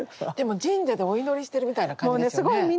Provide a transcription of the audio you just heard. でも神社でお祈りしてるみたいな感じですよね。